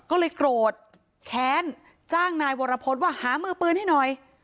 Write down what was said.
ก็เลยโกรธแค้นจ้างนายวรพฤษว่าหามือปืนให้หน่อย